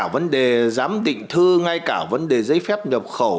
vấn đề giám định thư ngay cả vấn đề giấy phép nhập khẩu